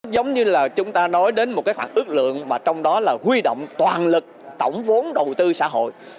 giống như là chúng ta nói đến một cái khoảng ước lượng mà trong đó là huy động toàn lực tổng vốn đầu tư xã hội